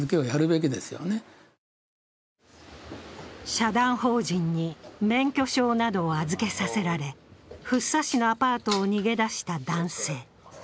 社団法人に免許証などを預けさせられ、福生市のアパートを逃げ出した男性。